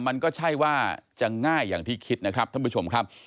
มันก็ใช่ว่าจะง่ายอย่างที่คิดนะครับท่านผู้ชมครับ